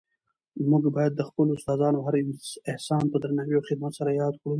موږ باید د خپلو استادانو هر احسان په درناوي او خدمت سره یاد کړو.